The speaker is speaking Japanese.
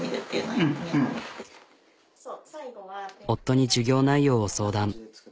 夫に授業内容を相談。